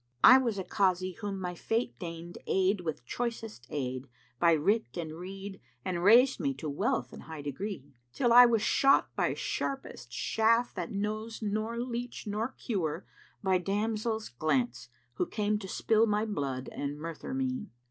I was a Kázi whom my Fate deigned aid with choicest aid * By writ and reed and raisčd me to wealth and high degree; Till I was shot by sharpest shaft that knows nor leach nor cure * By Damsel's glance who came to spill my blood and murther me.